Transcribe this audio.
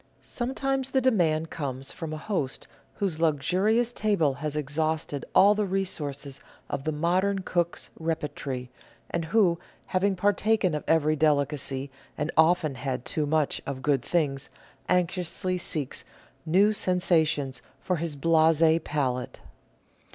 Sometimes the demand comes from a host whose luxu rious table has exhausted all the resources of the modern cook's repertory, and who, having partaken of every delicacy, and often had too much of good things, anxiously seeks new sensa tions for his blase palate.